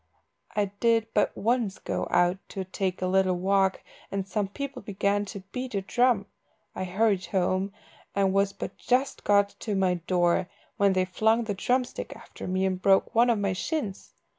I did but once go out to take a little walk, and some people began to beat a drum. I hurried home, and was but just got to my door when they flung the drum stick after me, and broke one of my shins.